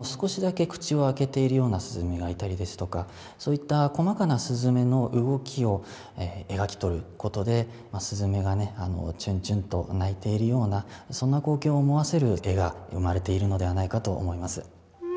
少しだけ口を開けているようなすずめがいたりですとかそういった細かなすずめの動きを描き取ることでまあすずめがねチュンチュンと鳴いているようなそんな光景を思わせる絵が生まれているのではないかと思います。